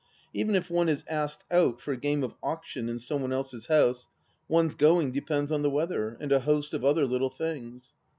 Even if one is asked out for a game of Auction in some one else's house, one's going depends on the weather and a host of other little things.